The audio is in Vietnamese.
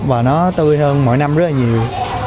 và nó tươi hơn mỗi năm rất là nhiều